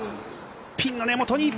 ピンの根元に。